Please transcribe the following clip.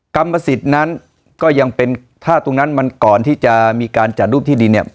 กรรมสิทธิ์นั้นก็ยังเป็นถ้าตรงนั้นมันก่อนที่จะมีการจัดรูปที่ดินเนี่ย